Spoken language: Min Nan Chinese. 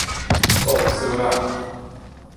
擋索仔